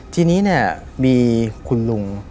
ทีนี้มีคุณลุง